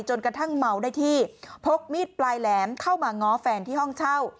กระทั่งเมาได้ที่พกมีดปลายแหลมเข้ามาง้อแฟนที่ห้องเช่า